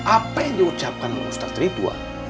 apa yang diucapkan ustadz ridwan